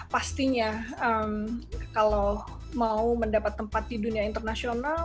pastinya kalau mau mendapat tempat di dunia internasional